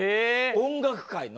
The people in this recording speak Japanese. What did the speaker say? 音楽界の。